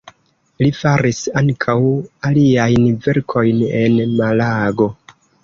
Li faris ankaŭ aliajn verkojn en Malago.